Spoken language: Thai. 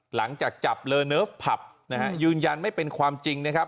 หลังจากจับนะฮะยืนยันไม่เป็นความจริงนะครับ